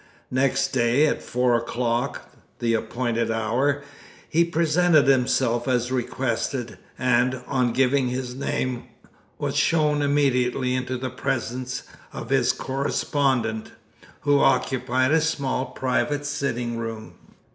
Next day, at four o'clock the appointed hour he presented himself as requested, and, on giving his name, was shown immediately into the presence of his correspondent, who occupied a small private sitting room.